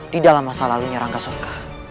di dalam masa lalunya rangka soka